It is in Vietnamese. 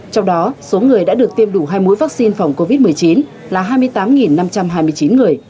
trong đó số người đã được tiêm đủ hai mũi vaccine phòng covid một mươi chín là hai mươi tám năm trăm hai mươi chín người